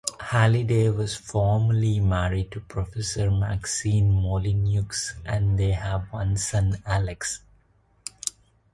Halliday was formerly married to Professor Maxine Molyneux and they have one son, Alex.